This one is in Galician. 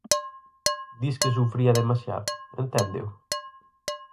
Disque sufría demasiado, enténdeo?